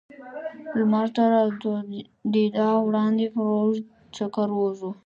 لمر تر راتودېدا وړاندې پر اوږد چکر ووځو.